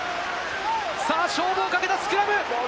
さあ勝負をかけたスクラム！